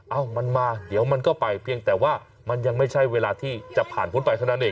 เอ้ามันมาเดี๋ยวมันก็ไปเพียงแต่ว่ามันยังไม่ใช่เวลาที่จะผ่านพ้นไปเท่านั้นเอง